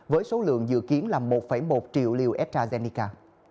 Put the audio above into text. với số lượng dự kiến là một một triệu liều astrazeneca